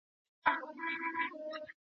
ورور د وجدان اور کې سوځي.